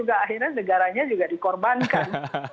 akhirnya negaranya juga dikorbankan